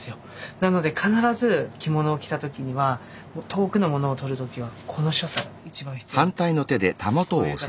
なので必ず着物を着た時には遠くのものを取る時はこの所作が一番必要になってきますね。